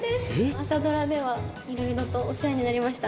朝ドラではいろいろとお世話になりました。